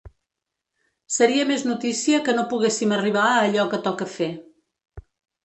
Seria més notícia que no poguéssim arribar a allò que toca fer.